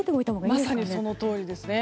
まさにそのとおりですね。